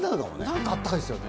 なんかあったかいですよね。